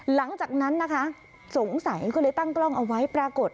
หลังจากนั้นนะคะสงสัยก็เลยตั้งกล้องเอาไว้ปรากฏ